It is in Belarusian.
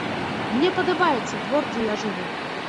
Мне падабаецца двор, дзе я жыву.